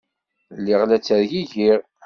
Lliɣ la ttergigiɣ.